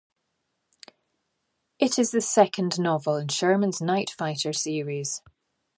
It is the second novel in Sherman's Night Fighter Series.